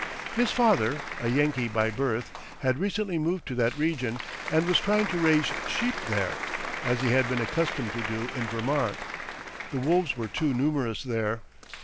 His father, a Yankee by birth, had recently moved to that region and was trying to raise sheep there, as he had been accustomed to do in Vermont. The wolves were too numerous there.